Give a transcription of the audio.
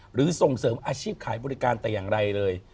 หรือส่งเสริมอาชีพขายบริการแต่อย่างไรเลย